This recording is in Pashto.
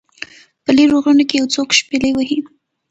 په لیرو غرونو کې یو څوک شپیلۍ وهي